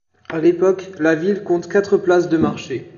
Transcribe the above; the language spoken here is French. À l'époque la ville compte quatre places de marché.